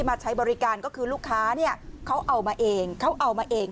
มาใช้บริการก็คือลูกค้าเนี่ยเขาเอามาเองเขาเอามาเอง